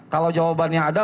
kalau jawabannya ada